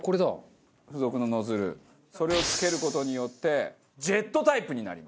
それをつける事によってジェットタイプになります。